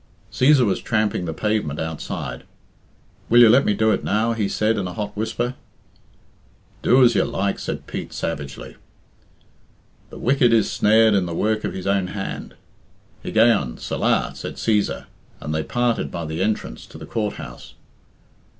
Cæsar was tramping the pavement outside. "Will you let me do it now?" he said in a hot whisper. "Do as you like," said Pete savagely. "The wicked is snared in the work of his own hand. Higgaion. Selah," said Cæsar, and they parted by the entrance to the Court house.